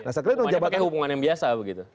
hanya pakai hubungan yang biasa begitu